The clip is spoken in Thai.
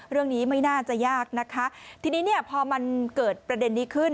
ไม่น่าจะยากนะคะทีนี้เนี่ยพอมันเกิดประเด็นนี้ขึ้น